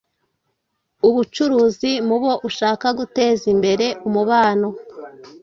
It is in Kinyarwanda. ubucuruzi mubo uhaka guteza imbere umubano